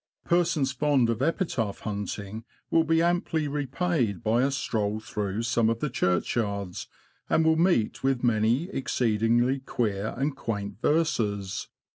Persons fond of epitaph hunting will be amply re paid by a stroll through some of the churchyards, and will meet with many exceedingly queer and quaint verses.